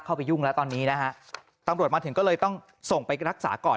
ไปยุ่งแล้วตอนนี้นะฮะตำรวจมาถึงก็เลยต้องส่งไปรักษาก่อน